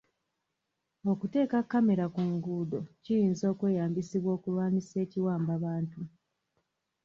Okuteeka kkamera ku nguudo kiyinza okweyambisibwa okulwanyisa ekiwambabantu.